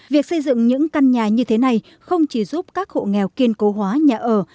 việc xây dựng những căn nhà như thế này không chỉ giúp các hộ nghèo kiên cố hóa nhà ở